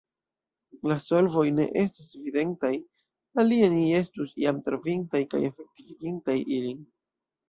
La solvoj ne estas evidentaj, alie ni estus jam trovintaj kaj efektivigintaj ilin.